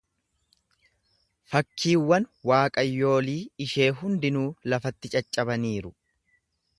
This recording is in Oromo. Fakkiiwwan waaqayyolii ishee hundinuu lafatti caccabaniiru.